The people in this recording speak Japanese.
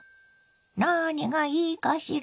何がいいかしら。